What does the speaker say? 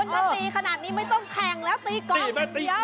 คุณก็ตีขนาดนี้ไม่ต้องแข่งแล้วตีกรองเดี๋ยว